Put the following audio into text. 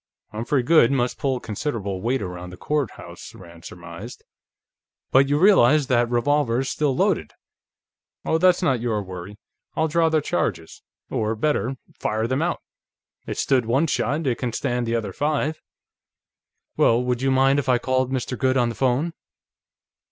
Humphrey Goode must pull considerable weight around the courthouse, Rand surmised. "But you realize, that revolver's still loaded...." "Oh, that's not your worry. I'll draw the charges, or, better, fire them out. It stood one shot, it can stand the other five." "Well, would you mind if I called Mr. Goode on the phone?"